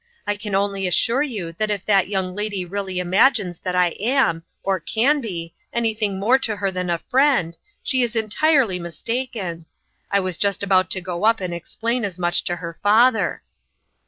I can only assure you that if that young lady really imagines that I am, or can be, anything more to her than a friend, she is entirely mis taken. I was just about to go up and explain as much to her father